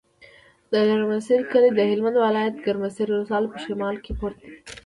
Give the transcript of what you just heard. د ګرمسر کلی د هلمند ولایت، ګرمسر ولسوالي په شمال کې پروت دی.